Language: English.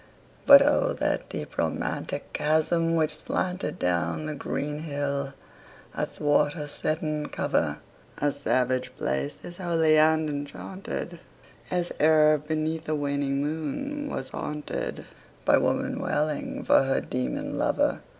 But O, that deep romantic chasm which slanted Down the green hill athwart a cedarn cover! A savage place! as holy and enchanted As e'er beneath a waning moon was haunted 15 By woman wailing for her demon lover!